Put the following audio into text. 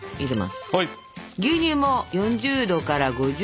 牛乳も４０５０